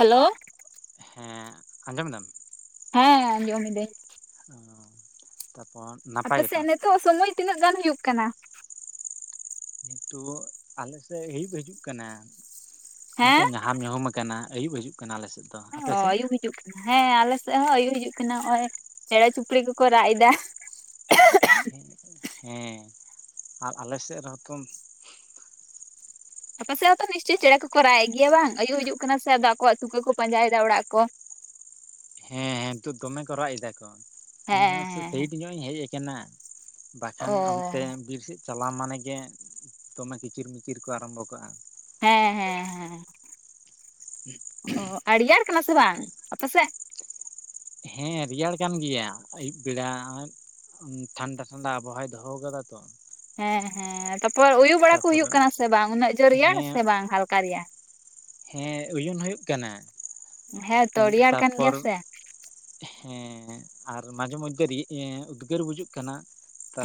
Hello ᱦᱮᱸ ᱟᱸᱡᱚᱢ ᱫᱟᱢ ᱦᱮᱸ ᱟᱸᱡᱚᱢᱤᱫᱟᱹᱧ ᱚ ᱛᱟᱯᱚᱨ ᱱᱟᱯᱟᱭ ᱜᱮᱛᱚ ᱦᱤᱛᱳᱜ ᱥᱚᱢᱚᱭ ᱛᱤᱱᱟᱹᱜ ᱜᱟᱱ ᱦᱩᱭᱩᱜ ᱠᱟᱱᱟ ᱱᱤᱛᱚᱜ ᱟᱞᱮᱥᱮᱫ ᱟᱭᱩᱵ ᱦᱤᱡᱩᱜ ᱠᱟᱱᱟ ᱦᱚᱭᱛᱚ ᱦᱮᱸ ᱧᱟ ᱟᱢ ᱧᱩᱦᱩᱢ ᱠᱟᱱᱟ, ᱟᱹᱭᱩᱵ ᱦᱤᱡᱩᱜ ᱠᱟᱱᱟ ᱟᱞᱮᱥᱮᱜ᱾ ᱚ ᱟᱭᱩᱵ ᱦᱤᱡᱩᱜ ᱦᱮᱸ ᱟᱞᱮ ᱥᱮᱫ ᱦᱚᱸ ᱟᱭᱩᱵ ᱦᱤᱡᱩᱜ ᱠᱟᱱᱟ, ᱱᱚᱜᱼᱚᱭ ᱪᱮᱸᱬᱮ ᱪᱩᱯᱲᱤ ᱠᱚᱠᱚ ᱨᱟᱜ ᱮᱫᱟ᱾ ᱦᱮ ᱦᱮᱸ ᱟᱨ ᱟᱞᱮ ᱥᱮᱫ ᱨᱮᱦᱚᱸ ᱛᱚ ᱟᱯᱮᱥᱮᱫ ᱦᱚᱸᱛᱚ ᱱᱤᱥᱪᱳᱭ ᱪᱮᱬᱮ ᱠᱚᱠᱚ ᱨᱟᱜ ᱮᱫ ᱜᱮᱭᱟ ᱵᱟᱝ, ᱟᱭᱩᱵ ᱦᱤᱡᱩᱜ ᱥᱮ ᱟᱫᱚ ᱟᱠᱚᱣᱟᱜ ᱛᱩᱠᱟᱹ ᱠᱚ ᱯᱟᱸᱡᱟᱭᱮᱫᱟ ᱚᱲᱟᱜ ᱠᱚ᱾ ᱦᱮᱸ ᱱᱤᱛᱚᱜ ᱫᱚᱢᱮ ᱠᱚ ᱨᱟᱜ ᱫᱟ ᱠᱚ, ᱤᱧ ᱦᱚᱸ ᱦᱮᱸ ᱦᱮᱸ ᱦᱮᱸ ᱥᱟᱭᱤᱴ ᱧᱚᱜ ᱤᱧ ᱦᱮᱡ ᱠᱟᱱᱟ᱾ ᱚ ᱵᱟᱠᱷᱟᱱ ᱚᱱᱛᱮ ᱵᱤᱨ ᱥᱮᱜ ᱪᱟᱞᱟᱣ ᱢᱟᱱᱮᱜᱮ, ᱫᱚᱢᱮ ᱠᱤᱪᱤᱨ-ᱢᱤᱪᱤᱨ ᱠᱚ ᱟᱨᱟᱢᱵᱷᱚ ᱠᱟᱜ-ᱟ᱾ ᱦᱮᱸ ᱦᱮᱸ ᱦᱮᱸ᱾ ᱚ ᱟᱨ ᱨᱤᱭᱟᱲ ᱠᱟᱱᱟ ᱥᱮ ᱵᱟᱝ ᱟᱯᱮᱥᱮᱜ? ᱦᱮᱸ ᱨᱤᱭᱟᱲ ᱠᱟᱱ ᱜᱮᱭᱟ ᱟᱹᱭᱩᱵ ᱵᱮᱲᱟ᱾ ᱴᱷᱟᱱᱰᱟ ᱴᱷᱟᱱᱰᱟ ᱟᱵᱚᱦᱟᱣᱟᱭ ᱫᱚᱦᱚᱣ ᱠᱟᱫᱟ ᱛᱚ᱾ ᱦᱮᱸ ᱦᱮᱸ ᱛᱟᱯᱚᱨ ᱩᱭᱩ ᱵᱟᱲᱟ ᱠᱩ ᱛᱟᱯᱚᱨᱮ ᱦᱳᱭᱳᱜ ᱠᱟᱱᱟ ᱥᱮ ᱵᱟᱝ, ᱩᱱᱟᱹᱜ ᱡᱳᱨ ᱨᱮᱭᱟᱲ ᱦᱮᱸ ᱥᱮ ᱵᱟᱝ ᱦᱟᱞᱠᱟ ᱨᱮᱭᱟᱲ? ᱦᱮᱸ ᱳᱭᱳᱱ ᱦᱳᱭᱳᱜ ᱠᱟᱱᱟ᱾ ᱦᱮᱸ ᱛᱚ ᱨᱮᱭᱟᱲ ᱠᱟᱱ ᱜᱮᱭᱟ ᱛᱟᱨᱯᱚᱨ ᱥᱮ᱾ ᱦᱮᱸ ᱟᱨ ᱢᱟᱡᱷᱮ ᱢᱚᱫᱽᱫᱷᱮ ᱨᱮ ᱩᱫᱽᱜᱟᱹᱨ ᱵᱩᱡᱩᱜ ᱠᱟᱱᱟ᱾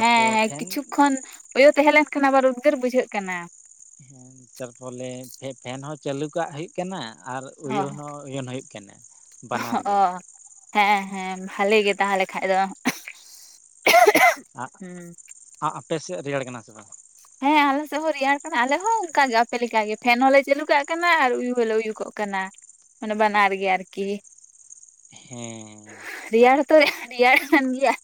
ᱦᱮᱸ ᱦᱮᱸ ᱯᱷᱮᱱ ᱠᱤᱪᱷᱩ ᱠᱷᱚᱱ ᱳᱭᱳ ᱛᱟᱦᱮᱸ ᱞᱮᱱ ᱠᱷᱟᱱ ᱟᱵᱟᱨ ᱩᱫᱜᱟᱹᱨ ᱵᱩᱡᱷᱟᱹᱜ ᱠᱟᱱᱟ᱾ ᱦᱮ ᱛᱟᱨᱯᱚᱞᱮ ᱯᱷᱮᱱ ᱦᱚᱸ ᱪᱟᱹᱞᱩ ᱠᱟᱜ ᱦᱳᱭᱳᱜ ᱠᱟᱱᱟ, ᱟᱨ ᱚ ᱳᱭᱳᱱ ᱦᱚᱸ ᱳᱭᱳᱱ ᱦᱳᱭᱳᱜ ᱠᱟᱱᱟ᱾ ᱵᱟᱱᱟᱨ [unintelligible] ᱜᱮ ᱚ ᱦᱮᱸ ᱦᱮᱸ ᱵᱷᱟᱞᱮ ᱜᱮ ᱛᱟᱦᱚᱞᱮ ᱠᱷᱟᱡ ᱫᱚ᱾ [unintelligible] ᱦᱩᱸ ᱟ-ᱟᱯᱮ ᱥᱮᱫ ᱨᱮᱭᱟᱲ ᱠᱟᱱᱟ ᱥᱮ ᱵᱟᱝ? ᱦᱮᱸ ᱟᱞᱮ ᱥᱮ ᱦᱚᱸ ᱨᱮᱭᱟᱲ ᱠᱟᱱᱟ ᱟᱞᱮ ᱦᱚᱸ ᱚᱝᱠᱟᱜ ᱜᱮ ᱟᱯᱮ ᱞᱮᱠᱟ ᱜᱮ, ᱯᱷᱮᱱ ᱦᱚᱸᱞᱮ ᱪᱟᱹᱞᱩ ᱠᱟᱜ ᱠᱟᱱᱟ, ᱟᱨ ᱩᱭᱩ ᱦᱚᱞᱮ ᱩᱭᱩ ᱠᱚᱜ ᱠᱟᱱᱟ᱾ ᱠᱟᱱᱟ, ᱢᱟᱱᱮ ᱵᱟᱱᱟᱨ ᱜᱮ ᱟᱨᱠᱤ᱾ ᱦᱮᱸ ᱨᱮᱭᱟᱲ ᱦᱚᱛᱚ ᱨᱮᱭᱟᱲ ᱠᱟᱱ ᱜᱮᱭᱟ᱾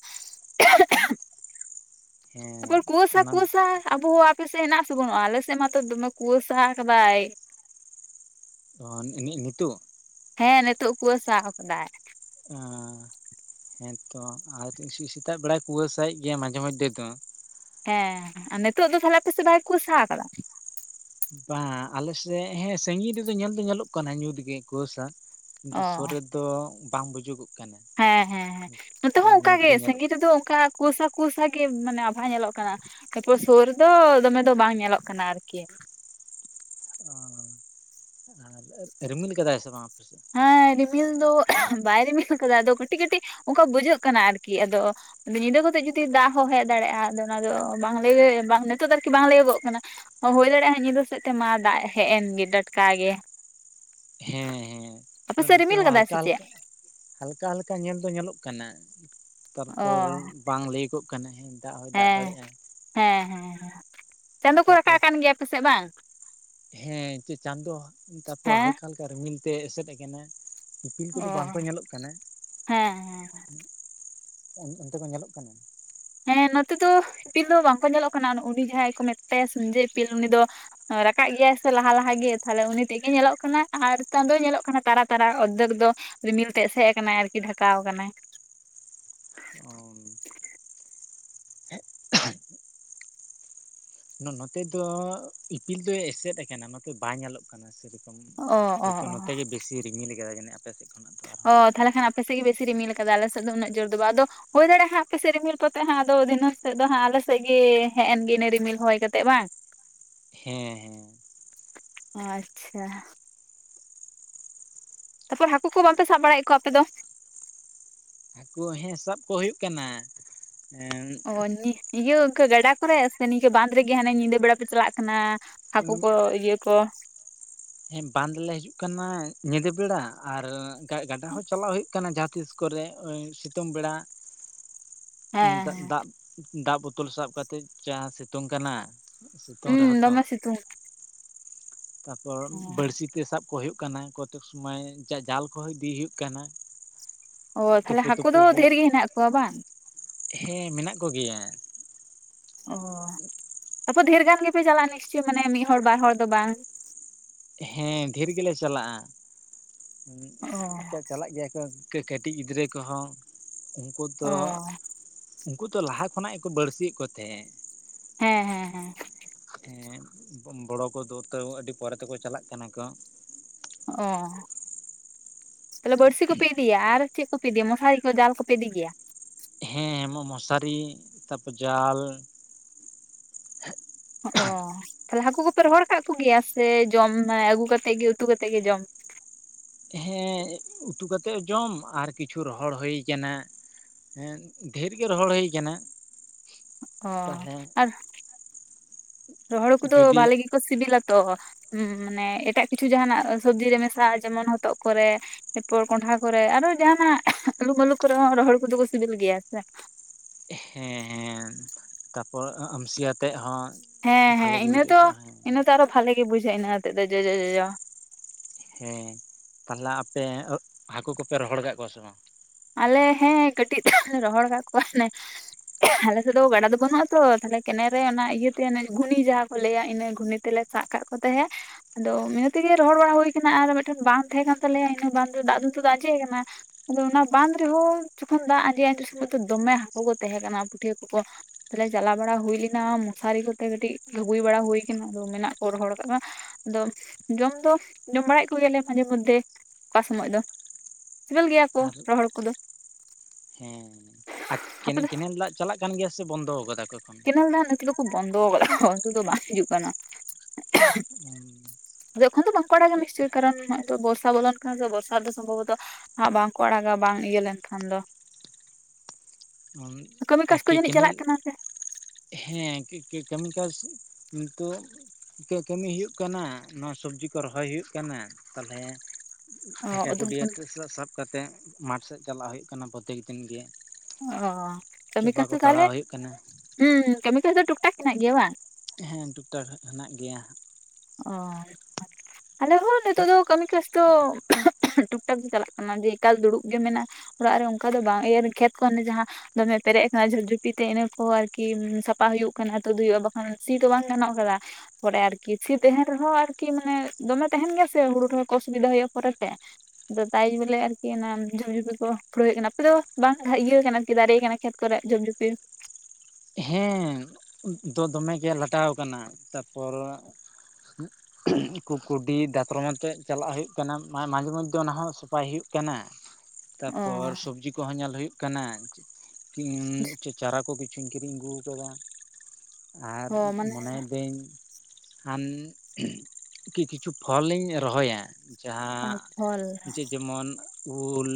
ᱦᱮᱸ ᱛᱟᱯᱚᱨ ᱚᱱᱟ ᱠᱩᱣᱟᱹᱥᱟ-ᱠᱩᱣᱟᱹᱥᱟ ᱟᱵᱚᱦᱟᱣᱟ ᱟᱯᱮᱥᱮᱜ ᱦᱮᱱᱟᱜ ᱥᱮ ᱵᱟᱹᱱᱩᱜᱼᱟ ᱟᱞᱮ ᱥᱮᱜ ᱢᱟᱛᱚ ᱫᱚᱢᱮ ᱠᱩᱣᱟᱹᱥᱟ ᱠᱟᱫᱟᱭ᱾ ᱚ ᱱᱤ-ᱱᱤᱛᱳᱜ? ᱦᱮᱸ ᱱᱤᱛᱚᱜ ᱠᱩᱣᱟᱹᱥᱟᱣ ᱠᱟᱫᱟᱭ᱾ ᱚ ᱦᱮᱸᱛᱚ ᱟᱨ ᱥᱮᱛᱟᱜ ᱵᱮᱲᱟᱭ ᱠᱩᱣᱟᱹᱥᱟᱭᱮᱫ ᱜᱮᱭᱟ ᱢᱟᱡᱷᱮ ᱢᱚᱫᱽᱫᱷᱮ ᱫᱚ᱾ ᱦᱮᱸ ᱟᱨ ᱱᱤᱛᱚᱜ ᱫᱚ ᱛᱟᱦᱚᱞᱮ ᱟᱯᱮᱥᱮᱜ ᱵᱟᱭ ᱠᱩᱣᱟᱹᱥᱟ ᱠᱟᱫᱟ? ᱵᱟᱝ ᱟᱞᱮ ᱥᱮᱜ ᱦᱮᱸ ᱥᱟᱺᱜᱤᱧ ᱨᱮᱫᱚ ᱧᱮᱞ ᱫᱚ ᱧᱮᱞᱚᱜ ᱠᱟᱱᱟ ᱧᱩᱛᱜᱮ ᱠᱩᱣᱟᱹᱥᱟ᱾ ᱫᱩ ᱚ ᱥᱳᱨ ᱨᱮᱫᱚ, ᱵᱟᱝ ᱵᱩᱡᱩᱜᱚᱜ ᱠᱟᱱᱟ᱾ ᱦᱮᱸ ᱦᱮᱸ ᱦᱮᱸ ᱱᱚᱛᱮ ᱯᱩᱨᱟᱹ ᱦᱚᱸ ᱚᱝᱠᱟ ᱧᱩᱛ ᱜᱮ ᱧᱮᱞᱚᱜ ᱥᱟᱺᱜᱤᱧ ᱠᱟᱱᱟ ᱨᱮᱫᱚ ᱚᱝᱠᱟ ᱠᱩᱣᱟᱹᱥᱟ ᱠᱩᱣᱟᱹᱥᱟ ᱜᱮ ᱢᱟᱱᱮ ᱟᱵᱷᱟᱣᱟ ᱧᱮᱞᱚᱜ ᱠᱟᱱᱟ᱾ ᱛᱟᱯᱚᱨ ᱥᱳᱨ ᱨᱮ ᱫᱚ, ᱫᱚᱢᱮ ᱫᱚ ᱵᱟᱝ ᱧᱮᱞᱚᱜ ᱠᱟᱱᱟ ᱟᱨ ᱠᱤ᱾ ᱚ ᱨᱤᱢᱤᱞ ᱠᱟᱫᱟᱭ ᱥᱮ ᱵᱟᱝ ᱟᱯᱮ ᱥᱮᱜ? ᱦᱮᱸ ᱨᱤᱢᱤᱞ ᱫᱚ ᱵᱟᱭ ᱨᱤᱢᱤᱞ ᱠᱟᱫᱟ ᱟᱫᱚ ᱠᱟᱹᱴᱤᱜ ᱠᱟᱹᱴᱤᱜ ᱚᱱᱠᱟ ᱵᱩᱡᱷᱟᱹᱜ ᱠᱟᱱᱟ ᱟᱨ ᱠᱤ ᱟᱫᱚ᱾ ᱟᱫᱚ ᱧᱤᱫᱟᱹ ᱠᱟᱛᱮ ᱡᱩᱫᱤ ᱫᱟᱜ ᱦᱚᱸ ᱦᱮᱡ ᱫᱟᱲᱮᱜᱟ ᱟᱫᱚ ᱚᱱᱟ ᱫᱚ ᱵᱟᱝ ᱞᱟᱹᱭ ᱱᱤᱛᱚᱜ ᱫᱚ ᱟᱨᱠᱤ ᱵᱟᱝ ᱞᱟᱹᱭᱟᱹ ᱜᱚᱜ ᱠᱟᱱᱟ᱾ ᱦᱳ ᱫᱟᱲᱮᱜᱟ ᱦᱟᱸᱜ ᱧᱤᱫᱟᱹ ᱥᱮᱫ ᱛᱮ ᱢᱟ ᱫᱟᱜ ᱦᱮᱡ ᱮᱱ ᱜᱮ ᱴᱟᱴᱠᱟ ᱜᱮ᱾ ᱦᱮᱸ ᱦᱮᱸ ᱟᱯᱮᱥᱮᱫ ᱱᱚᱛᱮ ᱨᱤᱢᱤᱞ ᱦᱚᱸ ᱠᱟᱫᱟᱭ ᱦᱟᱞᱠᱟ ᱥᱮ ᱪᱮᱫ ᱦᱟᱞᱠᱟ᱾ ᱦᱟᱞᱠᱟ ᱦᱟᱞᱠᱟ ᱧᱮᱞ ᱫᱚ ᱧᱮᱞᱚᱜ ᱠᱟᱱᱟ, ᱚ ᱛᱟᱨᱯᱚᱨ ᱵᱟᱝ ᱞᱟᱹᱭ ᱠᱚᱭᱚᱜ ᱠᱟᱱᱟ ᱦᱮᱸ᱾ ᱫᱟᱜ ᱦᱚᱭ ᱫᱟᱜ ᱦᱮᱸ ᱫᱟᱲᱮᱭᱟᱜᱼᱟ ᱦᱮᱸ ᱦᱮᱸ ᱪᱟᱸᱫᱚ ᱠᱚ ᱛᱟᱨᱯᱚᱨ ᱨᱟᱠᱟᱵ ᱠᱟᱱ ᱜᱮᱭᱟ ᱟᱯᱮ ᱥᱮᱜ ᱵᱟᱝ? ᱦᱮᱸ ᱪᱮᱫ ᱪᱟᱸᱫᱚ ᱛᱟᱨᱯᱚᱨ ᱦᱮᱸ ᱦᱟᱞᱠᱟ ᱦᱟᱞᱠᱟ ᱨᱤᱢᱤᱞ ᱛᱮ ᱮᱥᱮᱫ ᱠᱟᱱᱟ᱾ ᱤᱯᱤᱞ ᱠᱚᱫᱚ ᱚ ᱵᱟᱝ ᱠᱚ ᱧᱮᱞᱚᱜ ᱠᱟᱱᱟ᱾ ᱦᱮᱸ ᱦᱮᱸ ᱩᱸ ᱚᱱᱛᱮ ᱠᱚ ᱧᱮᱞᱚᱜ ᱠᱟᱱᱟ᱾ ᱦᱮᱸ ᱱᱚᱛᱮ ᱫᱚ, ᱤᱯᱤᱞ ᱫᱚ ᱵᱟᱝ ᱠᱚ ᱧᱮᱞᱚᱜ ᱠᱟᱱᱟ ᱩᱱᱤ ᱡᱟᱸᱦᱟᱭ ᱠᱚ ᱢᱮᱛᱟᱭᱟ ᱥᱩᱧ ᱡᱟᱹᱭ ᱤᱯᱤᱞ ᱩᱱᱤ ᱫᱚ ᱨᱟᱠᱟᱵ ᱜᱮᱭ ᱟᱭ ᱥᱮ ᱞᱟᱦᱟ ᱞᱟᱦᱟ ᱜᱮ, ᱛᱷᱟᱞᱮ ᱩᱱᱤ ᱴᱤᱡ ᱜᱮ ᱧᱮᱞᱚᱜ ᱠᱟᱱᱟ ᱟᱨ ᱪᱟᱸᱫᱳ ᱫᱚᱭ ᱧᱮᱞᱚᱜ ᱠᱟᱱᱟ ᱛᱟᱨᱟ ᱛᱟᱨᱟ ᱚᱫᱷᱮᱠ ᱫᱚᱼᱼ ᱨᱤᱢᱤᱞ ᱛᱮ ᱮᱥᱮᱫ ᱟᱠᱟᱱᱟᱭ ᱟᱨ ᱠᱤ ᱰᱷᱟᱠᱟᱣ ᱟᱠᱟᱱᱟᱭ᱾ [unintelligible] ᱱᱚᱛᱮ ᱫᱚ ᱤᱯᱤᱞ ᱫᱚ ᱮᱥᱮᱫ ᱟᱠᱟᱱᱟ ᱱᱚᱛᱮ ᱵᱟᱭ ᱧᱮᱞᱚᱜ ᱠᱟᱱᱟ᱾ ᱥᱮ ᱨᱚᱠᱚᱢ ᱚ [unintelligible] ᱚ ᱦᱚᱭ ᱛᱚ ᱱᱚᱛᱮ ᱜᱮ ᱵᱮᱥᱤ ᱨᱤᱢᱤᱞ ᱟᱠᱟᱫᱟ ᱡᱟᱱᱤᱡ ᱟᱯᱮ ᱥᱮᱫ ᱠᱷᱚᱱᱟᱜ ᱫᱚ᱾ ᱚ ᱟᱨᱦᱚᱸ ᱛᱟᱞᱮ ᱠᱷᱟᱱ ᱟᱯᱮ ᱥᱮᱫ ᱜᱮ ᱵᱮᱥᱤ ᱨᱤᱢᱤᱞ ᱠᱟᱫᱟ, ᱟᱞᱮ ᱥᱮᱫ ᱫᱚ ᱩᱱᱟᱹᱜ ᱡᱳᱨ ᱫᱚ ᱵᱟᱝ ᱟᱫᱚᱼᱼ ᱦᱩᱭ ᱫᱟᱲᱮᱜ ᱦᱟᱸᱜ ᱟᱯᱮ ᱥᱮᱫ ᱨᱤᱢᱤᱞ ᱠᱟᱛᱮᱜ ᱦᱟᱸᱜ, ᱟᱫᱚ ᱫᱷᱤᱱᱟᱹ ᱥᱮᱫ ᱫᱚ ᱦᱟᱸᱜ ᱟᱞᱮ ᱥᱮᱫ ᱜᱮ ᱦᱮᱡ ᱮᱱ ᱜᱮ ᱤᱱᱟᱹ ᱨᱤᱢᱤᱞ ᱦᱚᱭ ᱠᱟᱛᱮᱜ ᱵᱟᱝ? ᱦᱮᱸ ᱦᱮᱸ ᱟᱪᱪᱷᱟ ᱛᱟᱨᱯᱚᱨ ᱦᱟᱹᱠᱩ ᱠᱚ ᱵᱟᱝ ᱯᱮ ᱥᱟᱵ ᱵᱟᱲᱟ ᱭᱮᱫ ᱠᱚᱣᱟ ᱟᱯᱮ ᱫᱚ? ᱦᱟᱹᱠᱩ ᱦᱮᱸ ᱥᱟᱵ ᱠᱚ ᱦᱩᱭᱩᱜ ᱠᱟᱱᱟ᱾ ᱚ ᱤᱱᱠᱟᱹ ᱜᱟᱰᱟ ᱠᱚᱨᱮ, ᱥᱮ ᱱᱤᱝᱠᱟᱹ ᱵᱟᱸᱫ ᱨᱮᱜᱮ ᱦᱟᱱᱮ ᱧᱤᱫᱟᱹ ᱵᱮᱲᱟ ᱯᱮ ᱪᱟᱞᱟᱜ ᱠᱟᱱᱟ᱾ ᱦᱟᱹᱠᱩ ᱠᱚ ᱤᱭᱟᱹ ᱠᱚᱼᱼ ᱦᱮᱸ ᱵᱟᱸᱫᱽ ᱞᱮ ᱦᱤᱡᱩᱜ ᱠᱟᱱᱟ ᱧᱤᱫᱟᱹ ᱵᱮᱲᱟ, ᱟᱨ ᱜᱟᱰᱟ ᱦᱚᱸ ᱪᱟᱞᱟᱜ ᱦᱩᱭᱩᱜ ᱠᱟᱱᱟ [unintelligible] ᱛᱤᱥ ᱠᱚᱨᱮ ᱥᱤᱛᱩᱝ ᱵᱮᱲᱟ ᱦᱮᱸ ᱦᱮᱸ ᱫᱟᱜᱼᱼ ᱫᱟᱜ ᱵᱩᱛᱚᱞ ᱥᱟᱵ ᱠᱟᱛᱮᱫ ᱡᱟᱸᱦᱟ ᱥᱤᱛᱩᱝ ᱠᱟᱱᱟᱼᱼ ᱦᱩᱸ ᱫᱚᱢᱮ ᱥᱤᱛᱩᱝ ᱠᱟᱱᱟ᱾ ᱛᱟᱨᱯᱚᱨ ᱵᱟᱹᱲᱥᱤ ᱛᱮ ᱥᱟᱵ ᱠᱚ ᱦᱩᱭᱩᱜ ᱠᱟᱱᱟ, ᱠᱚᱛᱮᱠ ᱥᱚᱢᱚᱭ ᱡᱟᱞ ᱠᱚᱦᱚᱸ ᱤᱫᱤ ᱦᱩᱭᱩᱜ ᱠᱟᱱᱟ᱾ ᱚ ᱛᱟᱞᱦᱮ ᱛᱩᱯᱩ ᱦᱟᱠᱩ ᱛᱩᱯᱩ ᱫᱚ ᱦᱚᱸ ᱫᱷᱮᱨ ᱜᱮ ᱦᱮᱱᱟᱜ ᱠᱚᱣᱟ ᱵᱟᱝ? ᱦᱮᱸ ᱢᱮᱱᱟᱜ ᱠᱚ ᱜᱮᱭᱟ᱾ ᱚ ᱟᱯᱚ ᱰᱷᱮᱨ ᱜᱟᱱ ᱜᱮᱯᱮ ᱪᱟᱞᱟᱜᱼᱟ ᱱᱤᱥ ᱪᱚᱭ ᱢᱟᱱᱮ ᱢᱤᱫ ᱦᱚᱲ ᱵᱟᱨ ᱦᱚᱲ ᱫᱚ ᱵᱟᱝ? ᱦᱮᱸ ᱰᱷᱮᱨ ᱜᱮᱞᱮ ᱪᱟᱞᱟᱜᱼᱟ ᱚ ᱪᱟᱞᱟᱜ ᱜᱮᱭᱟ ᱠᱚ ᱤᱱᱠᱟᱹᱠᱟᱹᱴᱤᱡ ᱜᱤᱫᱽᱨᱟᱹ ᱠᱚᱦᱚᱸ ᱩᱱᱠᱩ ᱫᱚᱼᱼ ᱚ ᱩᱱᱠᱩ ᱫᱚ ᱞᱟᱦᱟ ᱠᱷᱚᱱᱟᱜ ᱜᱮᱠᱚ ᱵᱟᱹᱲᱥᱤ ᱮᱫ ᱠᱚ ᱛᱟᱦᱮᱸᱫᱼᱼ ᱦᱮᱸ ᱦᱮᱸ ᱦᱮᱸ ᱦᱮᱸ ᱵᱚᱲᱚ ᱠᱚᱫᱚ ᱛᱟᱹᱣ ᱟᱹᱰᱤ ᱯᱚᱨᱮ ᱛᱮᱠᱚ ᱪᱟᱞᱟᱜ ᱠᱟᱱᱟ ᱠᱚᱼᱼ ᱚ ᱛᱟᱞᱦᱮ ᱵᱟᱹᱲᱥᱤ ᱠᱚ ᱯᱮ ᱤᱫᱤᱭᱟ ᱟᱨᱼᱼ ᱪᱮᱫ ᱠᱚ ᱯᱮ ᱤᱫᱤ ᱭᱟ ᱢᱚᱥᱟᱨᱤ ᱠᱚ ᱡᱟᱞ ᱠᱚ ᱯᱮ ᱤᱫᱤ ᱜᱮᱭᱟ᱾ [unintelligible] ᱢᱚᱥᱟᱨᱤ ᱛᱟᱯᱚᱨ ᱡᱟᱞ ᱦᱚᱜᱼᱚ, ᱛᱟᱦᱞᱮ ᱦᱟᱹᱠᱩ ᱠᱚ ᱯᱮ ᱨᱚᱦᱚᱲ ᱠᱟᱜ ᱠᱚ ᱜᱮᱭᱟ ᱥᱮ ᱡᱚᱢ ᱟᱹᱜᱩ ᱠᱟᱛᱮ ᱜᱮ ᱩᱛᱩ ᱠᱟᱛᱮᱫ ᱜᱮ ᱡᱚᱢᱼᱼ ᱦᱮᱸ ᱩᱛᱩ ᱠᱟᱛᱮᱫ ᱡᱚᱢ ᱟᱨ ᱠᱤᱪᱷᱩ ᱨᱚᱦᱚᱲ ᱦᱩᱭ ᱟᱠᱟᱱᱟ᱾ ᱦᱮᱸ ᱰᱷᱮᱨ ᱜᱮ ᱨᱚᱦᱚᱲ ᱦᱳᱭ ᱠᱟᱱᱟ᱾ ᱚ ᱛᱟᱦᱚᱞᱮ ᱟᱨ ᱨᱚᱦᱚᱲ ᱦᱟᱠᱚ ᱫᱚ ᱡᱩᱫᱤ ᱵᱷᱟᱞᱮ ᱜᱮᱠᱚ ᱥᱤᱵᱤᱞᱟ ᱛᱚ ᱦᱮᱸ ᱢᱟᱱᱮ ᱮᱴᱟᱜ ᱠᱤᱪᱷᱩ ᱡᱟᱦᱟᱸᱱᱟᱜ ᱥᱚᱵᱽᱡᱤ ᱨᱮ ᱢᱮᱥᱟ ᱡᱮᱢᱚᱱ ᱦᱚᱛᱚᱜ ᱠᱚᱨᱮ᱾ ᱮᱨᱯᱚᱨ ᱠᱚᱸᱱᱰᱷᱟ ᱠᱚᱨᱮ ᱟᱨᱚ ᱡᱟᱦᱟᱱᱟᱜ ᱟᱹᱞᱩ ᱢᱟᱹᱞᱩ ᱠᱚᱨᱮ ᱦᱚᱸ ᱨᱚᱦᱚᱲ ᱦᱟᱠᱩ ᱫᱚ ᱠᱚ ᱥᱤᱵᱤᱞ ᱜᱮᱭᱟ ᱥᱮ᱾ ᱦᱮᱸ ᱦᱮᱸ ᱛᱟᱯᱚᱨ ᱟᱢᱥᱤᱭᱟᱛ ᱛᱮᱫ ᱦᱚᱸ ᱦᱮᱸ ᱦᱮᱸ ᱵᱷᱟᱞᱤ ᱜᱮ ᱵᱩᱡᱩᱜ ᱤᱱᱟᱹ ᱫᱚ ᱵᱩᱡᱷᱟᱹᱜ ᱠᱟᱱᱟ ᱦᱮᱸ ᱤᱱᱟᱹ ᱟᱨᱚ ᱵᱷᱟᱞᱤᱜᱮ ᱜᱮ ᱵᱩᱡᱷᱟᱹᱜ ᱤᱱᱟᱹ ᱟᱛᱮᱫ ᱫᱚ ᱡᱚᱡᱚ ᱡᱚᱡᱚ᱾ ᱦᱮᱸ ᱛᱟᱦᱚᱞᱮ ᱟᱯᱮ ᱦᱟᱹᱠᱩ ᱠᱚᱯᱮ ᱨᱚᱦᱚᱲ ᱠᱟᱫ ᱠᱚᱣᱟ ᱥᱮ ᱵᱟᱝ? ᱟᱞᱮ ᱦᱮᱸ ᱠᱟᱹᱴᱤᱡ ᱛᱟᱞᱟᱝ ᱞᱮ ᱨᱚᱦᱚᱲ ᱠᱟᱜ ᱠᱚᱣᱟᱞᱮ᱾ ᱟᱞᱮ ᱥᱮᱫ ᱫᱚ ᱜᱟᱰᱟ ᱫᱚ ᱵᱟᱹᱱᱩᱜ ᱟ ᱛᱚ ᱛᱟᱦᱞᱮ ᱠᱮᱱᱮᱞ ᱨᱮ ᱚᱱᱟ ᱤᱭᱟᱹᱛᱮ ᱜᱷᱩᱱᱤ ᱡᱟᱦᱟᱸ ᱠᱚ ᱞᱟᱹᱭᱟ ᱤᱱᱟᱹ ᱜᱷᱩᱱᱤ ᱛᱮᱞᱮ ᱥᱟᱜ ᱠᱟᱜ ᱠᱚ ᱛᱟᱦᱮᱸᱜ᱾ ᱟᱫᱚ ᱤᱱᱟᱹ ᱛᱮᱜᱮ ᱨᱚᱦᱚᱲ ᱵᱟᱲᱟ ᱦᱩᱭ ᱟᱠᱟᱱᱟ ᱟᱨ ᱢᱤᱫᱴᱮᱱ ᱵᱟᱸᱫ ᱛᱟᱦᱮᱸ ᱠᱟᱱ ᱛᱟᱞᱮᱭᱟ ᱤᱱᱟᱹ ᱵᱟᱸᱫᱷ ᱫᱟᱜ ᱫᱩᱛᱩ ᱫᱚ ᱟᱸᱡᱮᱫ ᱟᱠᱟᱱᱟ᱾ ᱟᱫᱚ ᱚᱱᱟ ᱵᱟᱸᱫᱽ ᱨᱮᱦᱚᱸ ᱡᱚᱠᱷᱚᱱ ᱫᱟᱜ ᱟᱸᱡᱮ ᱟᱸᱡᱮ ᱥᱚᱢᱚᱭ ᱫᱚ ᱫᱚᱢᱮ ᱦᱟᱹᱠᱩ ᱠᱚ ᱛᱟᱦᱮᱸ ᱠᱟᱱᱟ ᱯᱩᱴᱷᱤ ᱦᱟᱹᱠᱩ ᱠᱚ᱾ ᱛᱟᱦᱚᱞᱮ ᱪᱟᱞᱟᱣ ᱵᱟᱲᱟ ᱦᱩᱭ ᱞᱮᱱᱟ ᱢᱚᱥᱟᱨᱤ ᱠᱚᱛᱮ ᱠᱟᱹᱴᱤᱡ ᱜᱷᱟᱵᱩᱭ ᱵᱟᱲᱟ ᱦᱩᱭ ᱟᱠᱟᱱᱟ ᱟᱫᱚ ᱢᱮᱱᱟᱜ ᱠᱚ ᱨᱚᱦᱚᱲ ᱟᱠᱟᱫ ᱠᱚᱭᱟ ᱾ ᱟᱫᱚ ᱡᱚᱢ ᱫᱚ ᱡᱚᱢ ᱵᱟᱲᱟᱭᱮᱫ ᱠᱚᱜᱮᱭᱟᱞᱮ ᱢᱟᱡᱷᱮ ᱢᱚᱫᱽᱫᱷᱮ ᱚᱠᱟ ᱥᱚᱢᱚᱭ ᱫᱚ ᱥᱤᱵᱤᱞ ᱜᱮᱭᱟ ᱠᱚ ᱟᱨ ᱨᱚᱦᱚᱲ ᱦᱟᱠᱩ ᱫᱚ ᱦᱮᱸ ᱟᱨ ᱠᱮᱱᱮᱞ ᱫᱟᱜ ᱪᱟᱞᱟᱜ ᱠᱟᱱ ᱜᱮᱭᱟ ᱥᱮ ᱵᱚᱱᱫᱚ ᱠᱟᱫᱟ ᱠᱚ ᱧᱮᱞ ᱫᱟ ᱱᱤᱛᱚᱜ ᱫᱚᱠᱚ ᱵᱚᱱᱫᱚ ᱟᱠᱟᱫᱟ ᱫᱚ ᱵᱟᱝ ᱦᱤᱡᱩᱜ ᱠᱟᱱᱟ᱾ ᱡᱠᱷᱚᱱ ᱫᱚ ᱵᱟᱝᱠᱚ ᱟᱲᱟᱜᱟ ᱱᱤᱥᱪᱚᱭ, ᱠᱟᱨᱚᱱ ᱱᱚᱜ-ᱚᱭ ᱛᱚ ᱵᱚᱨᱥᱟ ᱵᱚᱞᱚᱱ ᱠᱟᱱᱟ ᱥᱮ ᱵᱚᱨᱥᱟ ᱨᱮ ᱫᱚ ᱥᱚᱢᱵᱷᱚᱵᱚᱛᱚ ᱦᱟᱸᱜ ᱵᱟᱝᱠᱚ ᱟᱲᱟᱜᱟ ᱵᱟᱝ ᱤᱭᱟᱹ ᱞᱮᱱᱠᱷᱟᱱ ᱫᱚ ᱾ ᱠᱟᱹᱢᱤ ᱠᱟᱡᱽ ᱟᱨ ᱠᱚ [unintelligible] ᱡᱟᱹᱱᱤᱡ ᱪᱟᱞᱟᱜ ᱠᱟᱱᱟ ᱥᱮ [inaudible] ᱠᱟᱢᱤ, ᱠᱟᱥ ᱢᱤ ᱱᱤᱛᱚᱜ ᱤᱱᱠᱟᱹ ᱠᱟᱹᱢᱤ ᱦᱩᱭᱩᱜ ᱠᱟᱱᱟ ᱱᱚᱣᱟ ᱥᱚᱵᱡᱤ ᱠᱚ ᱨᱚᱦᱚᱭ ᱦᱩᱭᱩᱜ ᱠᱟᱱᱟ ᱛᱟᱞᱦᱮ ᱚ ᱴᱷᱮᱠᱟ ᱟᱫᱚ ᱠᱩᱰᱭᱟᱹᱛ ᱥᱟ ᱥᱟᱵ ᱠᱟᱛᱮᱫ ᱢᱟᱴᱷ ᱥᱮᱫ ᱪᱟᱞᱟᱜ ᱦᱩᱭᱩᱜ ᱠᱟᱱᱟ ᱯᱨᱚᱛᱮᱠ ᱫᱤᱱᱜ ᱜᱮ ᱾ ᱚ ᱠᱟᱹᱢᱤ ᱠᱟᱡ ᱫᱚ ᱛᱟᱦᱚᱞᱮ, ᱦᱩᱭᱩᱜ ᱠᱟᱱᱟ ᱦᱩᱸ ᱠᱟᱹᱢᱤ ᱠᱟᱡ ᱫᱚ ᱴᱩᱠ ᱴᱟᱠ ᱦᱮᱱᱟᱜ ᱜᱮᱭᱟ ᱵᱟᱝ? ᱦᱮᱸ ᱴᱩᱠ ᱴᱟᱠ ᱦᱮᱱᱟᱜ ᱜᱮᱭᱟ ᱾ ᱚ ᱟᱞᱮ ᱦᱚᱸ ᱱᱤᱛᱚᱜ ᱫᱚ ᱠᱟᱹᱢᱤ ᱠᱟᱹᱥ ᱛᱚ [inaudible] ᱴᱩᱠ ᱴᱟᱠ ᱫᱚ ᱪᱟᱞᱟᱜ ᱠᱟᱱᱟ ᱡᱮ ᱮᱠᱟᱞ ᱫᱩᱲᱩᱵ ᱜᱮ ᱢᱮᱱᱟᱜ-ᱟ ᱚᱲᱟᱜ ᱨᱮ ᱚᱱᱠᱟ ᱫᱚ ᱵᱟᱝ [unintelligible] ᱠᱷᱮᱛ ᱠᱚ ᱚᱱᱮ ᱡᱟᱦᱟᱸ ᱫᱚᱢᱮ ᱯᱮᱨᱮᱡ ᱟᱠᱟᱱᱟ ᱡᱷᱤᱯ ᱡᱷᱩᱯᱤ ᱛᱮ ᱤᱱᱟᱹ ᱠᱚ ᱟᱨᱠᱤ ᱥᱟᱯᱷᱟ ᱦᱩᱭᱩᱜ ᱠᱟᱱᱟ ᱛᱩᱫ ᱦᱩᱭᱩᱜᱼᱟ ᱵᱟᱠᱷᱟᱱ ᱥᱤ ᱫᱚ ᱵᱟᱝ ᱜᱟᱱᱚᱜ ᱠᱟᱫᱟ ᱾ ᱯᱚᱨᱮ ᱟᱨ ᱠᱤ ᱾ ᱥᱤ ᱛᱟᱦᱮᱱ ᱨᱮᱦᱚᱸ ᱟᱨᱠᱤ ᱢᱟᱱᱮ ᱫᱚᱢᱮ ᱛᱟᱦᱮᱱ ᱜᱮᱭᱟ ᱥᱮ ᱦᱩᱲᱩ ᱨᱮᱦᱚᱸ ᱚᱥᱩᱵᱤᱫᱟ ᱦᱩᱭᱩᱜᱼᱟ ᱯᱚᱨᱮ ᱛᱮ᱾ ᱟᱫᱚ ᱛᱟᱭ ᱵᱚᱞᱮ ᱟᱨᱠᱤ ᱚᱱᱟ ᱡᱷᱚᱯ ᱡᱷᱩᱯᱤ ᱠᱚ ᱩᱯᱲᱟᱹᱣ ᱮᱫ ᱠᱟᱱᱟ ᱟᱯᱮ ᱫᱚ ᱵᱟᱝ ᱤᱭᱟᱹ ᱠᱟᱱᱟ ᱟᱨᱠᱤ ᱫᱟᱨᱮ ᱠᱟᱱᱟ ᱠᱷᱮᱛ ᱠᱨᱮᱜ ᱡᱷᱚᱯ ᱡᱷᱩᱯᱤ? ᱦᱮᱸ ᱫᱚ ᱫᱚᱢᱮᱜᱮ ᱞᱟᱴᱟᱣ ᱟᱠᱟᱱᱟ ᱛᱟᱯᱚᱨ ᱠᱩ ᱠᱩᱰᱤ ᱫᱟᱛᱨᱚᱢ ᱟᱛᱮ ᱪᱟᱞᱟᱜ ᱦᱩᱭᱩᱜ ᱠᱟᱱᱟ ᱢᱟ ᱢᱟᱡᱷᱮ ᱢᱚᱫᱡᱷᱮ ᱚᱱᱟ ᱦᱚᱸ ᱥᱟᱯᱷᱟᱭ ᱦᱩᱭᱩᱜ ᱠᱟᱱᱟ ᱾ ᱚ ᱛᱟᱯᱚᱨ ᱥᱚᱵᱡᱤ ᱠᱚᱸᱦᱚᱸ ᱧᱮᱞ ᱦᱩᱭᱩᱜ ᱠᱟᱱᱟ, ᱩᱸᱻ ᱪᱟᱨᱟ ᱠᱚ ᱠᱤᱪᱷᱩ ᱠᱚᱧ ᱠᱤᱨᱤᱧ ᱟᱹᱜᱩ ᱟᱠᱟᱫᱟ, ᱟᱨ ᱦᱚᱸ ᱢᱟᱱᱮ ᱢᱚᱱᱮᱭ ᱫᱟᱹᱧ ᱠᱷᱟᱱ ᱠᱤ ᱠᱤᱪᱷᱩ ᱯᱷᱚᱞ ᱤᱧ ᱨᱚᱦᱚᱭᱟ ᱾ ᱚ ᱡᱟᱦᱟᱸ ᱯᱷᱚᱞ ᱡᱮ ᱡᱮᱢᱚᱱ ᱩᱞ,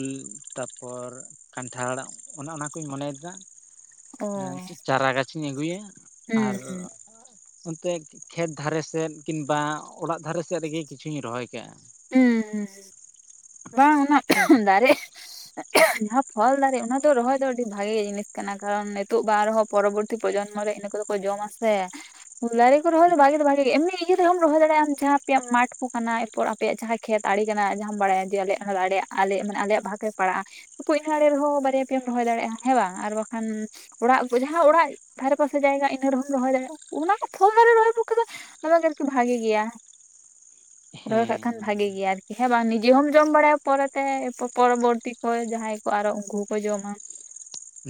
ᱛᱟᱯᱚᱨ ᱠᱟᱱᱴᱷᱟᱲ ᱚᱱᱮ ᱚᱱᱟ ᱠᱩᱧ ᱢᱚᱱᱮᱭᱮᱫᱟ ᱾ ᱚ ᱪᱟᱨᱟ ᱜᱟᱪᱷ ᱤᱧ ᱟᱹᱜᱩᱭᱟ ᱦᱩᱸ ᱟᱨ ᱦᱩᱸ ᱚᱱᱛᱮ ᱠᱷᱮᱛ ᱫᱷᱟᱨᱮ ᱥᱮᱫ ᱠᱤᱱᱵᱟ ᱚᱲᱟᱜ ᱫᱷᱟᱨᱮ ᱥᱮᱫ ᱨᱮᱜᱮ ᱠᱤᱪᱷᱩᱧ ᱨᱚᱦᱚᱭ ᱠᱟᱜᱼᱟ ᱾ ᱩᱸ ᱦᱩᱸ ᱦᱩᱸᱻ, ᱵᱟᱝ ᱚᱱᱟ ᱫᱟᱨᱮ [unintelligible] ᱡᱟᱦᱟᱸ ᱯᱷᱚᱞ ᱫᱟᱨᱮ ᱚᱱᱟ ᱫᱚ ᱨᱚᱦᱚᱭ ᱫᱚ ᱟᱹᱰᱤ ᱵᱷᱟᱜᱮ ᱡᱤᱱᱤᱥ ᱠᱟᱱᱟ ᱠᱟᱨᱚᱱ ᱱᱤᱛᱳᱜ ᱵᱟᱝ ᱨᱮᱦᱚᱸ ᱯᱚᱨᱚᱵᱚᱨᱛᱤ ᱯᱨᱚᱡᱚᱱᱢᱚ ᱨᱮ ᱤᱱᱟᱹ ᱠᱚᱫᱚ ᱠᱚ ᱡᱚᱢᱟ ᱥᱮ ᱾ ᱫᱟᱨᱮ ᱠᱚ ᱨᱚᱦᱚᱭ ᱫᱚ ᱵᱷᱟᱜᱮ ᱫᱚ ᱵᱷᱟᱜᱮ ᱜᱮ ᱮᱢᱱᱤ ᱤᱭᱟᱹ ᱛᱮᱦᱚᱸᱢ ᱨᱚᱦᱚᱭ ᱫᱟᱲᱮᱜᱼᱟᱢ ᱡᱟᱦᱟᱸ ᱟᱯᱮᱭᱟᱜ ᱢᱟᱴᱷ ᱠᱚ ᱠᱟᱱᱟ ᱮᱨᱯᱚᱨ ᱟᱯᱮᱭᱟᱜ ᱡᱟᱦᱟᱸ ᱠᱷᱮᱛ ᱟᱲᱮ ᱠᱟᱱᱟ ᱡᱟᱦᱟᱸᱢ ᱵᱟᱲᱟᱭᱟ ᱡᱮ ᱟᱞᱮᱭᱟᱜ ᱱᱚᱣᱟ ᱫᱚ ᱟᱞᱮᱭᱟᱜ ᱟᱞᱮ ᱢᱟᱱᱮ ᱟᱞᱮᱭᱟᱜ ᱵᱷᱟᱜ ᱨᱮ ᱯᱟᱲᱟᱜ-ᱟ [unintelligible] ᱟᱲᱮ ᱨᱮᱦᱚᱸ ᱵᱟᱨᱭᱟ ᱯᱮᱭᱟᱢ ᱨᱚᱦᱚᱭ ᱫᱟᱲᱮᱜᱼᱟ ᱦᱮᱸ ᱵᱟᱝ ᱟᱨ ᱵᱟᱠᱷᱟᱱ ᱚᱲᱟᱜ ᱠᱚ ᱡᱟᱦᱟᱸ ᱚᱲᱟᱜ ᱫᱷᱟᱨᱮ ᱯᱟᱥᱮ ᱡᱟᱭᱜᱟ ᱤᱱᱟᱹ ᱨᱮᱦᱚᱢ ᱨᱚᱦᱚᱭ ᱫᱟᱲᱮᱭᱟᱜᱼᱟ ᱾ ᱚᱱᱟ ᱠᱚ ᱯᱷᱚᱞ ᱫᱟᱨᱮ ᱨᱚᱦᱚᱭ ᱯᱚᱠᱷᱮ ᱫᱚ [unintelligible] ᱟᱨᱠᱤ ᱵᱷᱟᱜᱮ ᱜᱮᱭᱟ ᱾ ᱦᱮᱸ ᱾ ᱠᱷᱟᱱ ᱵᱷᱟᱜᱤ ᱜᱮᱭᱟ ᱟᱨᱠᱤ ᱦᱮᱸ ᱵᱟᱝ ᱱᱤᱡᱮ ᱦᱚᱸᱢ ᱡᱚᱢ ᱵᱟᱲᱟᱭᱟ ᱯᱚᱨᱮ ᱛᱮ ᱯᱚᱨᱚᱵᱚᱨᱛᱤ ᱠᱚᱨᱮ ᱡᱟᱦᱟᱸᱭ ᱠᱚ ᱟᱨᱚ ᱩᱱᱠᱩ ᱠᱚ ᱡᱚᱢᱟ ᱾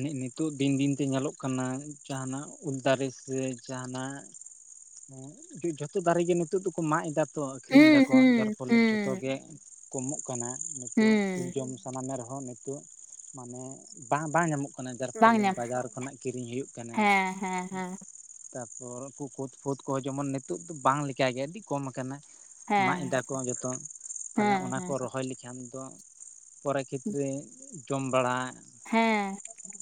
ᱱᱤᱜ ᱱᱤᱛᱚᱜ ᱫᱤᱱ ᱫᱤᱱ ᱛᱮ ᱧᱮᱞᱚᱜ ᱠᱟᱱᱟ ᱡᱟᱦᱟᱱᱟᱜ ᱩᱞᱫᱟᱨᱮ ᱥᱮ ᱡᱟᱦᱟᱱᱟᱜ ᱠᱚ ᱡᱷᱚᱛᱚ ᱫᱟᱨᱮ ᱜᱮ ᱱᱤᱛᱳᱜ ᱫᱚᱠᱚ ᱢᱟᱜ ᱮᱫᱟ ᱛᱚ ᱟᱠᱷᱨᱤᱧ ᱦᱩᱸ ᱫᱟᱠᱚ ᱡᱟᱨ ᱦᱩᱸ ᱯᱷᱚᱞ ᱡᱚᱛᱚ ᱦᱩᱸ ᱜᱮ ᱠᱚᱢᱚᱜ ᱠᱟᱱᱟ ᱱᱤᱛᱚᱜ ᱩᱞ ᱦᱩᱸ ᱡᱚᱢ ᱥᱟᱱᱟ ᱢᱮ ᱨᱮᱦᱚ ᱱᱤᱛᱚᱜ ᱢᱟᱱᱮ ᱵᱟᱝ ᱵᱟᱝ ᱧᱟᱢᱚᱜ ᱚᱱᱮ ᱡᱟᱨ ᱵᱟᱝ ᱯᱷᱚᱞᱮ ᱧᱟᱢᱟ ᱵᱟᱡᱟᱨ ᱠᱷᱚᱱᱟᱜ ᱠᱤᱨᱤᱧ ᱦᱩᱭᱩᱜ ᱠᱟᱱᱟ ᱦᱮᱸ ᱦᱮᱸ ᱦᱮᱸ ᱾ ᱛᱟᱨᱯᱚᱨ ᱠᱩ ᱠᱳᱛ ᱯᱷᱳᱛ ᱠᱚᱦᱚ ᱡᱚᱢᱚᱱ ᱱᱤᱛᱚᱜ ᱫᱚ ᱵᱟᱝ ᱞᱮᱠᱟᱜᱮ ᱟᱹᱰᱤ ᱠᱚᱢ ᱠᱟᱱᱟ ᱾ ᱢᱟᱜ ᱦᱮᱸ ᱮᱫᱟ ᱠᱚ ᱡᱚᱛᱚ ᱛᱟᱞᱦᱮ ᱦᱮᱸ ᱚᱱᱟ ᱦᱮᱸ ᱠᱚ ᱨᱚᱦᱚᱭ ᱞᱮᱠᱷᱟᱱ ᱫᱚ ᱯᱚᱨᱮ ᱠᱷᱮᱛᱨᱮ ᱡᱚᱢ ᱵᱟᱲᱟ ᱦᱮᱸ,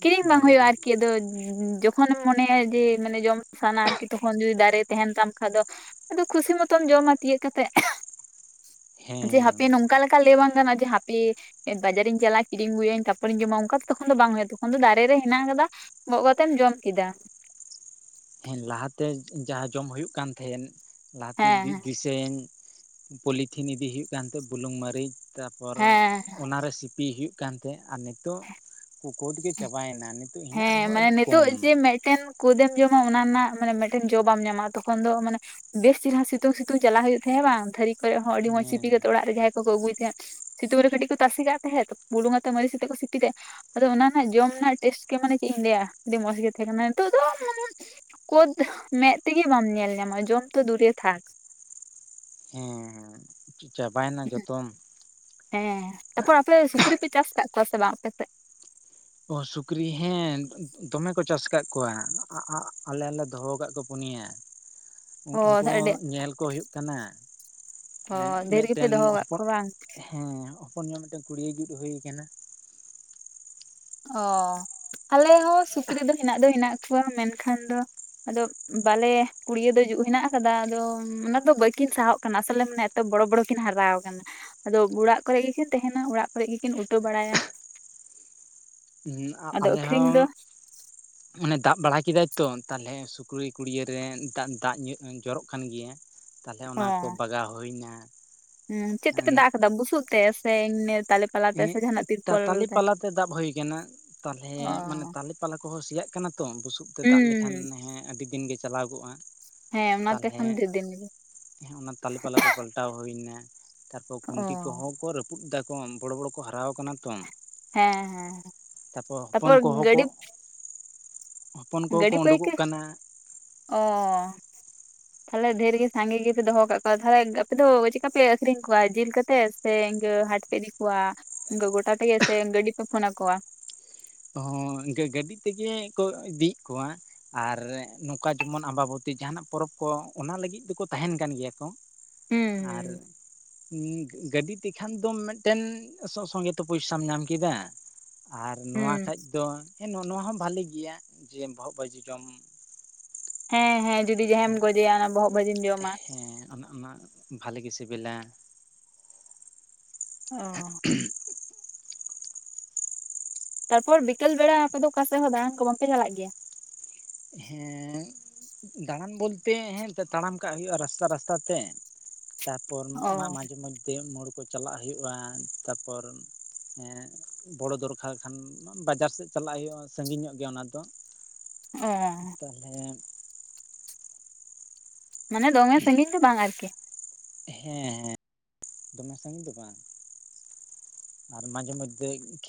ᱠᱤᱨᱤᱧ ᱵᱟᱝ ᱵᱷᱟᱞᱮ ᱦᱩᱭᱩᱜᱼᱟ ᱜᱮ ᱟᱨᱠᱤ ᱟᱫᱚ [unintelligible] ᱠᱷᱚᱱ ᱮᱢ ᱢᱚᱱᱮᱭᱟ ᱡᱮ ᱢᱟᱱᱮ ᱡᱚᱢ ᱥᱟᱱᱟ ᱟᱨᱠᱤ ᱛᱚᱠᱷᱚᱱ ᱡᱩᱫᱤ ᱫᱟᱨᱮ ᱛᱮᱦᱮᱱ ᱛᱟᱢ ᱠᱷᱟᱡ ᱫᱚ ᱟᱫᱚ ᱠᱷᱩᱥᱤ ᱢᱚᱛᱚᱢ ᱡᱚᱢᱟ ᱛᱤᱭᱳᱜ ᱠᱟᱛᱮᱜ ᱾ ᱡᱮ ᱦᱮᱸ ᱦᱟᱯᱮ ᱱᱚᱝᱠᱟ ᱞᱮᱠᱟ ᱞᱟᱹᱭ ᱵᱟᱝ ᱜᱟᱱᱚᱜ-ᱟ ᱡᱮ ᱦᱟᱯᱮ ᱵᱟᱡᱟᱨᱤᱧ ᱪᱟᱞᱟᱜᱼᱟ ᱠᱤᱨᱤᱧ ᱜᱩᱭᱟᱹᱧ ᱛᱟᱯᱚᱨᱤᱧ ᱡᱚᱢᱟ ᱚᱝᱠᱟ ᱫᱚ ᱛᱚᱠᱷᱚᱱ ᱫᱚ ᱵᱟᱝ ᱦᱳᱭᱳᱼᱟ ᱛᱚᱠᱷᱚᱱ ᱫᱚ ᱫᱟᱨᱮ ᱨᱮ ᱦᱮᱱᱟᱜ ᱠᱟᱫᱟ ᱜᱚᱜ ᱠᱟᱛᱮᱢ ᱡᱚᱢ ᱠᱮᱫᱟ ᱾ ᱦᱮᱸ ᱞᱟᱦᱟ ᱛᱮ ᱡᱟᱦᱟᱸ ᱡᱚᱢ ᱦᱩᱭᱩᱜ ᱠᱟᱱ ᱛᱟᱦᱮᱸᱱ ᱞᱟᱦᱟᱛᱮ ᱦᱮᱸ ᱵᱤ ᱵᱤᱥ ᱛᱮᱦᱮᱧ ᱯᱚᱞᱤᱛᱷᱤᱱ ᱤᱫᱤ ᱦᱩᱭᱩᱜ ᱠᱟᱱ ᱛᱮ ᱵᱩᱞᱩᱝ ᱢᱟᱹᱨᱤᱡ ᱛᱟᱯᱚᱨ ᱦᱮᱸ ᱚᱱᱟ ᱨᱮ ᱥᱤᱯᱤᱭ ᱦᱩᱭᱩᱜ ᱠᱟᱱ ᱛᱮᱦᱮᱜ ᱟᱨ ᱱᱮᱛᱚᱜ ᱠᱳᱫ ᱜᱮ ᱪᱟᱵᱟᱭᱱᱟ ᱦᱮᱸ ᱢᱟᱱᱮ ᱱᱮᱛᱚᱜ ᱡᱮ ᱢᱮᱜ ᱴᱮᱱ ᱠᱳᱫ ᱮᱢ ᱡᱚᱢᱟ ᱚᱱᱟ ᱨᱮᱱᱟᱜ ᱢᱟᱱᱮ ᱢᱮᱴᱮᱱ ᱡᱚ ᱵᱟᱢ ᱧᱟᱢᱟ ᱛᱚᱠᱷᱚᱱ ᱫᱚ ᱢᱟᱱᱮ ᱵᱮᱥ ᱪᱮᱨᱦᱨᱟ ᱥᱤᱛᱩᱝ ᱥᱤᱛᱩᱝ ᱪᱟᱞᱟᱣ ᱦᱩᱭᱩᱜ ᱛᱟᱦᱮᱡ ᱦᱮᱵᱟᱝ ᱛᱷᱟᱹᱨᱤ ᱠᱚᱨᱮᱜ ᱦᱚᱸ ᱟᱹᱰᱤ ᱢᱚᱸᱡᱽ ᱦᱮᱸ ᱥᱤᱯᱤ ᱠᱟᱛᱮ ᱚᱲᱟᱜ ᱨᱮ ᱡᱟᱸᱦᱟᱭ ᱠᱚᱠᱚ ᱟᱹᱜᱩᱭ ᱛᱮᱦᱮᱸᱫ ᱥᱤᱛᱩᱝ ᱨᱮ ᱠᱟᱹᱴᱤᱡ ᱠᱚ ᱛᱟᱥᱮ ᱠᱟᱜ ᱛᱟᱦᱮᱫ ᱵᱩᱞᱩᱝ ᱟᱛᱮ ᱢᱟᱨᱤᱪ ᱟᱛᱮ ᱠᱚ ᱥᱤᱯᱤ ᱛᱮ ᱟᱫᱚ ᱚᱱᱟ ᱱᱟᱜ ᱡᱚᱢ ᱱᱟᱜ ᱴᱮᱥᱴ ᱜᱮ ᱢᱟᱱᱮ ᱪᱮᱫ ᱤᱧ ᱞᱟᱹᱭᱟ ᱟᱹᱰᱤ ᱢᱚᱸᱡᱽ ᱜᱮ ᱛᱟᱦᱮ ᱠᱟᱱᱟ ᱱᱤᱛᱚᱜ ᱫᱚ ᱠᱳᱫ ᱢᱮᱜ ᱛᱮᱜᱮ ᱵᱟᱢ ᱧᱮᱞ ᱧᱟᱢᱟ ᱡᱚᱢ ᱛᱚ ᱫᱩᱨᱮ ᱛᱷᱟᱠ ᱦᱮᱸ ᱪᱟᱵᱟᱭᱱᱟ ᱡᱚᱛᱚᱢ ᱦᱮᱸ ᱛᱟᱯᱚᱨ ᱟᱯᱮ ᱥᱩᱠᱨᱤ ᱯᱮ ᱪᱟᱥ ᱠᱟᱜ ᱠᱚᱣᱟ ᱥᱮ ᱵᱟᱝ ᱟᱯᱮ ᱥᱮᱜ? ᱚ ᱥᱩᱠᱨᱤ ᱦᱮᱸ ᱫᱚᱢᱮ ᱠᱚ ᱪᱟᱥ ᱠᱟᱜ ᱠᱚᱣᱟ ᱟᱜ ᱟᱜ ᱟᱞᱮ ᱦᱚᱞᱮ ᱫᱚᱦᱚ ᱠᱟᱜ ᱠᱚᱣᱟ ᱯᱩᱱᱭᱟ ᱚ ᱩᱱᱠᱩ ᱦᱚ ᱟᱹᱰᱤ ᱧᱮᱞ ᱠᱚ ᱦᱩᱭᱩᱜ ᱠᱟᱱᱟ ᱚ ᱦᱮᱸ ᱰᱷᱮᱨ ᱜᱮᱯᱮ ᱢᱤᱜᱴᱮᱱ ᱫᱚᱦᱚ ᱠᱟᱜ ᱦᱚᱯᱚᱱ ᱠᱚᱣᱟ ᱵᱟᱝ ᱦᱮᱸ ᱦᱚᱯᱚᱱ ᱧᱚᱜ ᱢᱤᱫᱴᱮᱱ ᱠᱩᱲᱤᱭᱟᱹ ᱡᱩᱫ ᱦᱳᱭ ᱠᱟᱱᱟ ᱚᱻ ᱟᱞᱮ ᱦᱚ ᱥᱩᱠᱨᱤ ᱫᱚ ᱦᱮᱱᱟᱜ ᱫᱚ ᱦᱮᱱᱟᱜ ᱠᱚᱣᱟ ᱢᱮᱱᱠᱷᱟᱱ ᱫᱚ ᱟᱫᱚ ᱵᱟᱞᱮ ᱠᱩᱲᱭᱟᱹ ᱫᱚ ᱡᱩᱜ ᱦᱮᱱᱟᱜ ᱠᱟᱫᱟ ᱟᱫᱚ ᱚᱱᱟ ᱫᱚ ᱵᱟᱹᱠᱤᱱ ᱥᱟᱦᱚᱜ ᱠᱟᱱᱟ ᱟᱥᱚᱞᱮ ᱢᱟᱱᱮ ᱛᱚ ᱵᱚᱲᱚ ᱵᱚᱲᱚ ᱠᱤᱱ ᱦᱟᱨᱟᱣ ᱠᱟᱱᱟ ᱟᱫᱚ ᱚᱲᱟᱜ ᱠᱚᱨᱮ ᱜᱮᱠᱤᱱ ᱛᱮᱦᱮᱱᱟ ᱚᱲᱟᱜ ᱠᱚᱨᱮᱫ ᱜᱮᱠᱤᱱ ᱩᱴᱟᱹ ᱵᱟᱲᱟᱭᱟ ᱦᱩ ᱟᱫᱚ ᱟᱞᱮ ᱟᱹᱠᱷᱨᱤᱧ ᱦᱚᱸ ᱫᱚ ᱚᱱᱮ ᱫᱟᱜ ᱵᱟᱲᱟ ᱠᱮᱫᱟᱭ ᱛᱚ ᱛᱟᱞᱦᱮ ᱥᱩᱠᱨᱤ ᱠᱩᱲᱭᱟᱹᱨ ᱨᱮ ᱫᱟᱜ ᱫᱟᱜ ᱡᱚᱨᱚᱜ ᱠᱟᱱ ᱜᱮᱭᱟ ᱛᱟᱞᱦᱮ ᱚᱱᱟ ᱠᱚ ᱵᱟᱜᱟᱣ ᱦᱳᱭᱱᱟ ᱦᱩᱸ ᱪᱮᱫ ᱛᱮᱯᱮ ᱫᱟᱜ ᱠᱟᱫᱟ ᱵᱩᱥᱩᱜ ᱛᱮ ᱥᱮ ᱮᱢᱱᱤ ᱛᱟᱞᱮ ᱯᱟᱞᱟ ᱛᱮ ᱦᱮᱸ ᱥᱮ ᱡᱟᱦᱟᱱᱟᱜ ᱛᱤᱨᱯᱚᱞ ᱛᱟ-ᱛᱟᱞᱤ ᱯᱟᱞᱟ ᱛᱮ ᱫᱟᱵ ᱦᱳᱭ ᱠᱟᱱᱟ ᱛᱟᱞᱦᱮ ᱢᱟᱱᱮ ᱚ ᱛᱟᱞᱮ ᱯᱟᱞᱟ ᱠᱚᱦᱚ ᱥᱮᱭᱟᱜ ᱠᱟᱱᱟ ᱛᱚ ᱵᱩᱥᱩᱵ ᱛᱮ ᱫᱟᱵ ᱞᱮᱠᱷᱟᱱ ᱦᱩᱸ ᱦᱮᱸ ᱟᱹᱰᱤ ᱫᱤᱱ ᱜᱮ ᱪᱟᱞᱟᱣ ᱜᱚᱜᱼᱟ ᱦᱮᱸ ᱚᱱᱟᱛᱮ ᱛᱟᱞᱦᱮ ᱠᱷᱟᱱ ᱰᱷᱮᱨ ᱫᱤᱱ ᱜᱮ ᱦᱮ ᱚᱱᱟ ᱛᱟᱞᱮ ᱯᱟᱞᱟ ᱠᱚ ᱯᱟᱞᱴᱟᱣ ᱦᱳᱭ ᱱᱟ ᱛᱟᱨᱯᱚᱨ ᱚ ᱠᱷᱩᱱᱴᱤ ᱠᱚᱦᱚ ᱠᱚ ᱨᱟᱹᱯᱩᱫ ᱫᱟᱠᱚ ᱵᱚᱲᱟ ᱵᱚᱲᱚ ᱠᱚ ᱦᱟᱨᱟᱣ ᱟᱠᱟᱱᱟ ᱛᱚ ᱦᱮᱸ ᱦᱮᱸ ᱛᱟᱯᱚᱨ ᱦᱚᱯᱚᱱ ᱠᱚᱦᱚ ᱠᱚ ᱦᱚᱯᱚᱱ ᱠᱚᱦᱚᱸ ᱠᱚ ᱜᱟᱹᱰᱤ ᱯᱟᱹᱭ ᱠᱟ. ᱩᱰᱩᱠᱚᱜ ᱠᱟᱱᱟ ᱚᱻ [inaudible] ᱛᱷᱟᱞᱮ ᱫᱷᱮᱨ ᱜᱮ ᱥᱟᱸᱜᱮ ᱜᱮᱯᱮ ᱫᱚᱦᱚ ᱠᱟᱜ ᱠᱚᱣᱟ ᱛᱟᱞᱦᱮ ᱟᱯᱮ ᱫᱚ ᱪᱮᱜᱠᱟᱯᱮ ᱟᱠᱷᱨᱤᱧ ᱠᱚᱣᱟ ᱡᱮᱞ ᱠᱟᱛᱮ ᱥᱮ ᱤᱝᱠᱟᱹ ᱦᱟᱴ ᱯᱮ ᱤᱫᱤ ᱠᱚᱣᱟ ᱤᱝᱠᱟ. ᱜᱚᱴᱟ ᱛᱮᱜᱮ ᱥᱮ ᱜᱟᱹᱰᱤ ᱯᱮ ᱯᱷᱳᱱᱟ ᱠᱚᱣᱟ? ᱦᱚᱸ ᱤᱝᱠᱟᱹ ᱜᱟᱹᱰᱤ ᱛᱮᱜᱮ ᱠᱚ ᱤᱫᱤᱭᱮᱜ ᱠᱚᱣᱟ ᱟᱨ ᱱᱚᱝᱠᱟ ᱡᱚᱢᱚᱱ ᱟᱢᱵᱟᱵᱚᱛ ᱛᱤ ᱡᱟᱦᱟᱱᱟᱜ ᱯᱚᱨᱚᱵᱽ ᱠᱚ ᱚᱱᱟ ᱞᱟᱹᱜᱤᱫ ᱫᱚᱠᱚ ᱛᱟᱦᱮᱱ ᱠᱟᱱ ᱜᱮᱭᱟ ᱠᱚ ᱦᱩᱸ ᱩ ᱜᱟᱹᱰᱤ ᱛᱮᱠᱷᱟᱱ ᱫᱚ ᱢᱮᱜᱴᱮᱱ ᱥᱚ ᱥᱚᱸᱜᱮ ᱛᱮ ᱯᱩᱭᱥᱟᱢ ᱧᱟᱢ ᱠᱮᱫᱟ ᱟᱨ ᱱᱚᱣᱟ ᱦᱩᱸ ᱠᱷᱟᱡ ᱫᱚ ᱦᱮ ᱱᱚ ᱱᱚᱣᱟ ᱦᱚᱸ ᱵᱷᱟᱞᱤ ᱜᱮᱭᱟ ᱡᱮ ᱵᱚᱦᱚᱜ ᱵᱷᱟᱹᱡᱤ ᱡᱚᱢ ᱦᱮᱸ ᱦᱮᱸ ᱡᱩᱫᱤ ᱡᱟᱦᱟᱭᱮᱢ ᱜᱚᱡᱮᱭᱟ ᱚᱱᱟ ᱵᱚᱦᱚᱜ ᱵᱷᱟᱹᱡᱤᱢ ᱡᱚᱢᱟ ᱦᱮᱸ ᱚᱱᱟ ᱟᱢᱟᱜ ᱵᱷᱟᱞᱮ ᱜᱮ ᱥᱮᱵᱮᱞᱟ ᱚ [unintelligible] ᱛᱟᱨᱯᱚᱨ ᱵᱤᱠᱮᱞ ᱵᱮᱲᱟ ᱟᱯᱮ ᱫᱚ ᱚᱠᱟ ᱥᱮᱫ ᱦᱚᱸ ᱫᱟᱬᱟᱱ ᱠᱚ ᱵᱟᱝᱯᱮ ᱪᱟᱞᱟᱜ ᱜᱮᱭᱟ ᱦᱮᱸ ᱫᱟᱬᱟᱱ ᱵᱚᱞᱛᱮ ᱦᱮᱸ ᱛᱟᱲᱟᱢ ᱠᱟᱜ ᱦᱳᱭᱳᱜᱼᱟ ᱨᱟᱥᱛᱟ ᱨᱟᱥᱛᱟ ᱛᱮ ᱛᱟᱨᱯᱚᱨ ᱢᱟ ᱚ ᱢᱟᱡᱷᱮ ᱢᱚᱫᱽᱫᱷᱮ ᱢᱳᱲ ᱠᱚ ᱪᱟᱞᱟᱜ ᱦᱩᱭᱩᱜᱼᱟ ᱛᱟᱨᱯᱚᱨ ᱦᱮᱸ ᱵᱚᱲᱚ ᱫᱚᱨᱠᱟᱨ ᱠᱷᱟᱱ ᱵᱟᱡᱟᱨ ᱥᱮᱫ ᱪᱟᱞᱟᱜ ᱦᱩᱭᱩᱜᱼᱟ ᱥᱟᱺᱜᱤᱧ ᱧᱚᱜ ᱜᱮᱭᱟ ᱚᱱᱟ ᱫᱚ ᱚ ᱛᱟᱞᱦᱮ ᱢᱟᱱᱮ ᱫᱚᱢᱮ ᱥᱟᱺᱜᱤᱧ ᱫᱚ ᱵᱟᱝ ᱟᱨᱠᱤ ᱦᱮᱸ ᱦᱮᱸ ᱫᱚᱢᱮ ᱥᱟᱺᱜᱤᱧ ᱫᱚ ᱵᱟᱝ ᱟᱨ ᱢᱟᱡᱷᱮ ᱢᱚᱫᱽᱫᱷᱮ ᱠᱷ